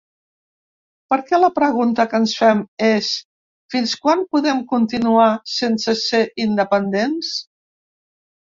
Perquè la pregunta que ens fem és: fins quan podem continuar sense ser independents?